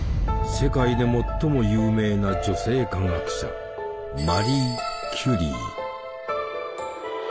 世界で最も有名な女性科学者マリー・キュリー。